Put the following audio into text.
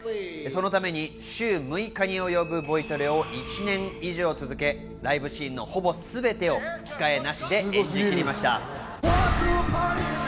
そのために週６日に及ぶボイトレを１年以上続け、ライブシーンのほぼすべてを吹き替えなしで演じきりました。